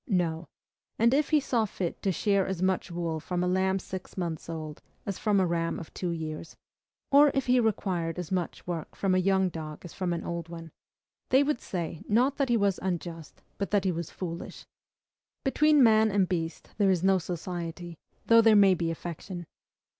No: and if he saw fit to shear as much wool from a lamb six months old, as from a ram of two years; or, if he required as much work from a young dog as from an old one, they would say, not that he was unjust, but that he was foolish. Between man and beast there is no society, though there may be affection.